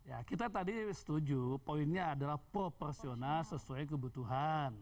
ya kita tadi setuju poinnya adalah proporsional sesuai kebutuhan